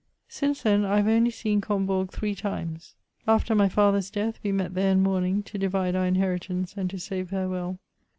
Since then I have only seen Com\)Ourg three times. After my father's death, we met there in mourning to divide our inheritance and to say farewell.